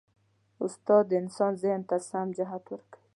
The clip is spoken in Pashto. استاد د انسان ذهن ته سم جهت ورکوي.